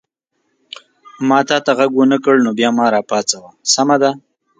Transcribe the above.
ما تا ته غږ ونه کړ نو بیا ما را پاڅوه، سمه ده؟